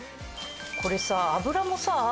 これさ油もさ